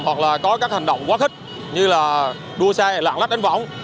hoặc có các hành động quá khích như đua xe lạng lách đánh võng